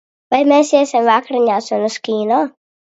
Vai mēs iesim vakariņās un uz kino?